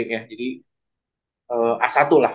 ya jadi a satu lah